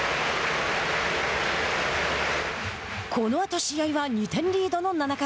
このあと試合は２点リードの７回。